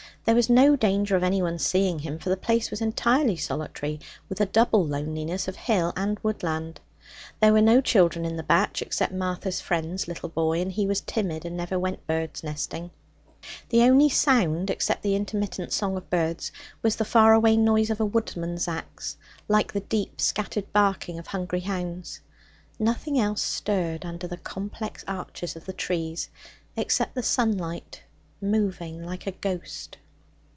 There was no danger of anyone seeing him, for the place was entirely solitary with the double loneliness of hill and woodland. There were no children in the batch except Martha's friend's little boy, and he was timid and never went bird's nesting. The only sound except the intermittent song of birds, was the far away noise of a woodman's axe, like the deep scattered barking of hungry hounds. Nothing else stirred under the complex arches of the trees except the sunlight, moving like a ghost.